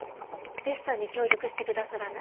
デッサンに協力してくださらない？